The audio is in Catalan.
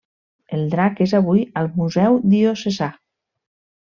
El drac és avui al Museu Diocesà.